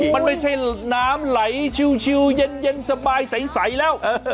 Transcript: มันไม่ใช่น้ำไหลชิลล์ชิลล์เย็นสบายไซร์แล้ว